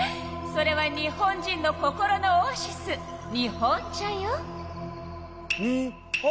それは日本人の心のオアシス日本茶よ。